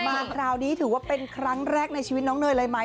มาคราวนี้ถือว่าเป็นครั้งแรกในชีวิตน้องเนยเลยไหม